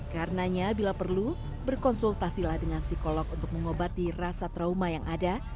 karenanya bila perlu berkonsultasilah dengan psikolog untuk mengobati rasa trauma yang ada